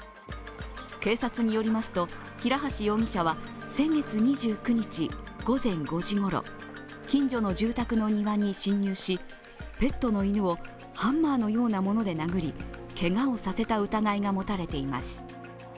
警察によりますと平橋容疑者は先月２９日午前５時ごろ、近所の住宅の庭に侵入し、ペットの犬をハンマーのようなもので殴り、けがをさせた疑いが持たれています。